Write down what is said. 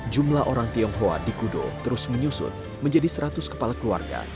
jumlah orang tionghoa di kudo terus menyusut menjadi seratus kepala keluarga